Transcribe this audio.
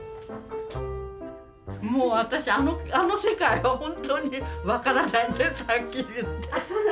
もう私あの世界は本当に分からないんです